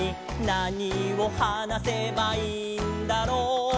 「なにをはなせばいいんだろう？」